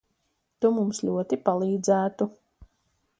Tu mums ļoti palīdzētu.